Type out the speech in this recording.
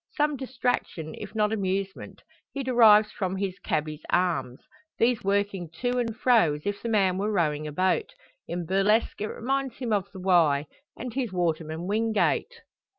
Some distraction, if not amusement, he derives from his "cabby's" arms; these working to and fro as if the man were rowing a boat. In burlesque it reminds him of the Wye, and his waterman Wingate!